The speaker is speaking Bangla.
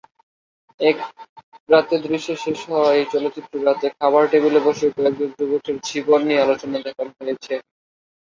এক রাতের দৃশ্যে শেষ হওয়া এই চলচ্চিত্রে রাতে খাবার টেবিলে বসে কয়েকজন যুবকের জীবন নিয়ে আলোচনা দেখানো হয়েছে।